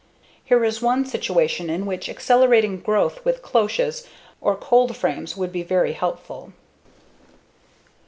Here is one situation in which accelerating growth with cloches or cold frames would be very helpful.